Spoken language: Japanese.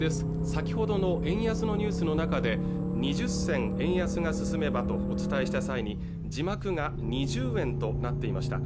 先ほどの円安のニュースの中で２０銭円安が進めばとお伝えした際に字幕が２０円となっていました